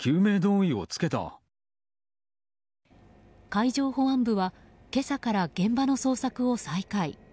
海上保安部は今朝から現場の捜索を再開。